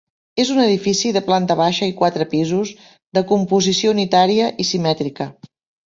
És un edifici de planta baixa i quatre pisos, de composició unitària i simètrica.